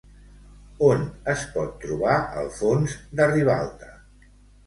On es pot trobar el fons de Ribalta?